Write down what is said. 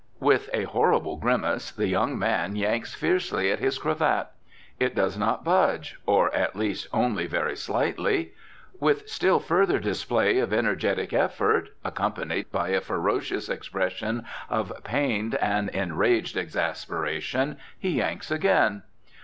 With a horrible grimace the young man yanks fiercely at his cravat. It does not budge, or at least only very slightly. With still further display of energetic effort, accompanied by a ferocious expression of pained and enraged exasperation, he yanks again.